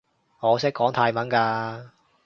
我識講泰文㗎